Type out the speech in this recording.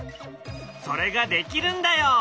それができるんだよ！